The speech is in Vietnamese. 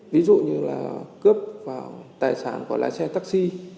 ví dụ như là cướp và tài sản của lái xe taxi